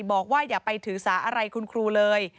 อย่าไปถือสาอะไรคุณครูเลย